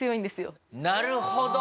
なるほど！